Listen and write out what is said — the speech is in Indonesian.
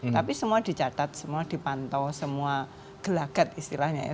tapi semua dicatat semua dipantau semua gelagat istilahnya ya